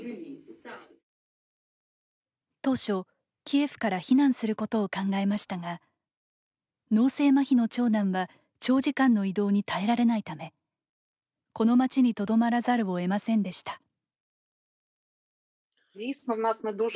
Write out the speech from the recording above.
当初、キエフから避難することを考えましたが脳性まひの長男は長時間の移動に耐えられないためこの街にとどまらざるをえませんでした。